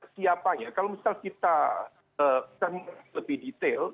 siapanya kalau misal kita termasuk lebih detail